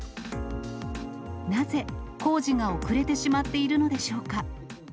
なぜ工事が遅れてしまっているのでしょうか。